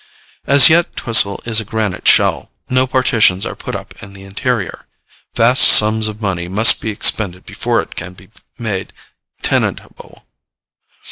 As yet Twisell is a granite shell; no partitions are put up in the interior. Vast sums of money must be expended before it can be made tenantable.